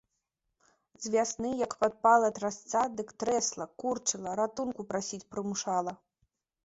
З вясны як падпала трасца, дык трэсла, курчыла, ратунку прасіць прымушала.